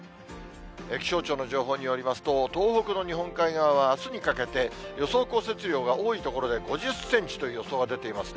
気象庁の情報によりますと、東北の日本海側はあすにかけて、予想降雪量が多い所で５０センチという予想が出ていますね。